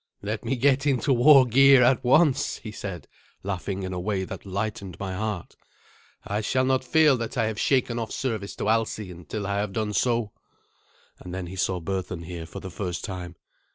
"Let me get into war gear at once," he said, laughing in a way that lightened my heart. "I shall not feel that I have shaken off service to Alsi until I have done so." And then he saw Berthun here for the first time.